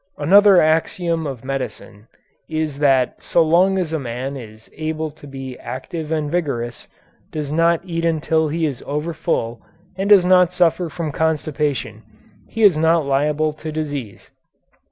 Another axiom of medicine is that so long as a man is able to be active and vigorous, does not eat until he is over full, and does not suffer from constipation, he is not liable to disease.